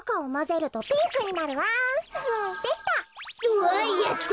うわやった！